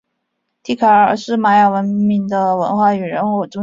蒂卡尔是玛雅文明的文化和人口中心之一。